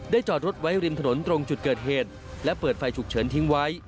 จอดรถไว้ริมถนนตรงจุดเกิดเหตุและเปิดไฟฉุกเฉินทิ้งไว้